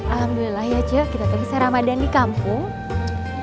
alhamdulillah ya cik kita bisa ramadhan di kampung